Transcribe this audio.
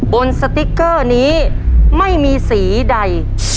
สติ๊กเกอร์นี้ไม่มีสีใด